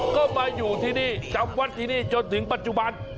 ก็มาอยู่ที่นี่จำวัดที่นี่จนถึงปัจจุบัน